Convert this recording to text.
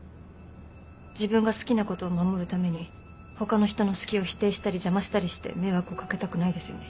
自分が好きなことを守るために他の人の好きを否定したり邪魔したりして迷惑をかけたくないですよね。